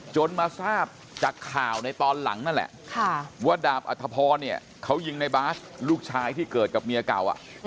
จนมาทราบจากข่าวในตอนหลังนั่นแหละว่าดาบอัธพรเนี่ยเขายิงในบาสลูกชายที่เกิดกับเมียเก่า